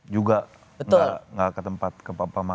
juga gak ke tempat pemakamannya